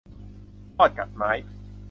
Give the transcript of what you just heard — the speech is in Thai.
มอดกัดไม้